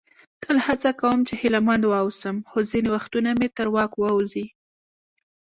تل هڅه کوم چې هیله مند واوسم، خو ځینې وختونه مې تر واک ووزي.